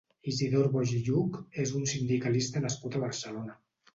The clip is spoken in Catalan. Isidor Boix i Lluch és un sindicalista nascut a Barcelona.